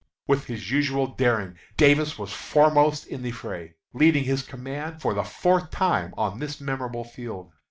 With his usual daring Davies was foremost in the fray, leading his command for the fourth time on this memorable field.